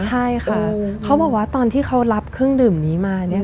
ใช่ค่ะเขาบอกว่าตอนที่เขารับเครื่องดื่มนี้มาเนี่ย